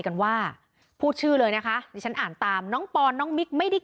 กันว่าพูดชื่อเลยนะคะดิฉันอ่านตามน้องปอนน้องมิ๊กไม่ได้